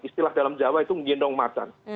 istilah dalam jawa itu ngendong masan